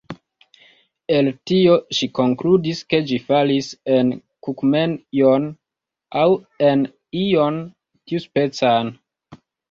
El tio ŝi konkludis ke ĝi falis en kukumejon, aŭ en ion tiuspecan.